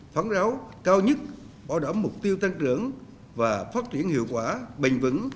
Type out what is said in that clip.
phán ráo cao nhất bảo đảm mục tiêu tăng trưởng và phát triển hiệu quả bình vững